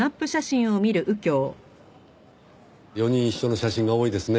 ４人一緒の写真が多いですね。